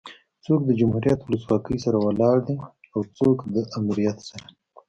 څوک د جمهوريت ولسواکي سره ولاړ دي او څوک ده امريت سره